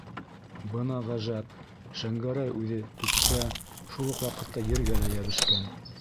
Бына ғәжәп: Шәңгәрәй үҙе - күктә, шул уҡ ваҡытта ергә лә йәбешкән.